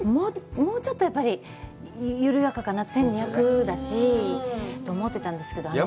もうちょっとやっぱり緩やかかな、１２００だしと思ってたんですけど。